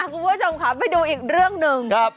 คุณผู้ชมค่ะไปดูอีกเรื่องหนึ่ง